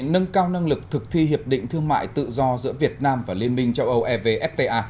nâng cao năng lực thực thi hiệp định thương mại tự do giữa việt nam và liên minh châu âu evfta